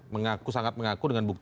mengaku sangat mengaku dengan bukti